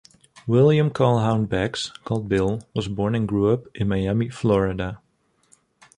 William Calhoun Baggs, called "Bill", was born and grew up in Miami, Florida.